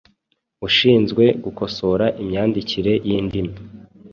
ushinzwe gukosora imyandikire y’indimi.